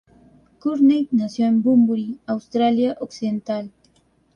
Courtney nació en Bunbury, Australia Occidental.